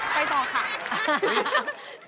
ไปต่อค่ะ